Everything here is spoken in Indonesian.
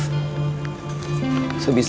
sebisa dan sepuluhnya